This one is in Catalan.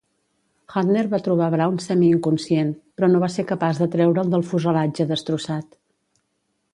Hudner va trobar Brown semiinconscient, però no va ser capaç de treure'l del fuselatge destrossat.